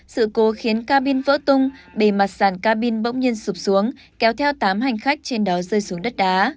sự cố khiến ca bin vỡ tung bề mặt sàn cabin bỗng nhiên sụp xuống kéo theo tám hành khách trên đó rơi xuống đất đá